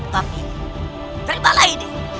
tapi terimalah ini